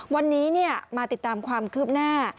วันนี้มาติดตามความคืบหน้า